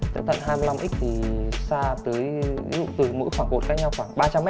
từ tận hai mươi năm x thì xa từ mũi khoảng một cách nhau khoảng ba trăm linh m